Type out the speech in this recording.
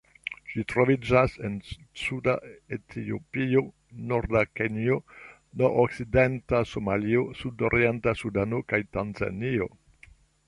Ĝi troviĝas en suda Etiopio, norda Kenjo, nordokcidenta Somalio, sudorienta Sudano kaj Tanzanio.